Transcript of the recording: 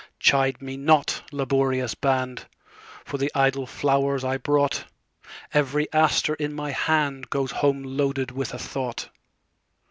Chide me not, laborious band, For the idle flowers I brought; Every aster in my handGoes home loaded with a thought.